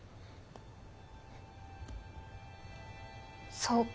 そうか。